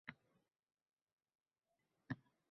Yuragi yorilib ketar-ey… Hur qizlar-chi?.. Bu ham gʼalati…»